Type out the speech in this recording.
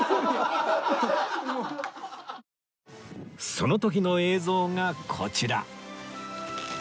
その時の映像がこちら